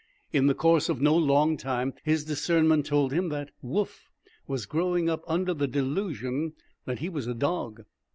In the course of no long time his discernment told him that Woof was growing up under the delusion that he was a dog.